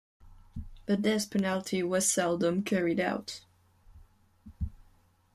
The death penalty was seldom carried out.